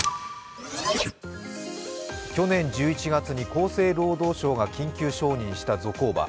去年１１月に厚生労働省が緊急承認したゾコーバ。